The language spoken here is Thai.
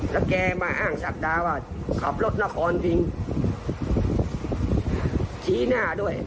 ผมก็ไม่เข้าใจนะ